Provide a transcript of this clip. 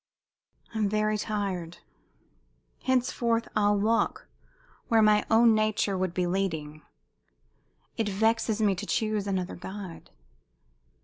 I'm very tired. Henceforth 'I'll walk where my own nature would be leading it vexes me to choose another guide.'"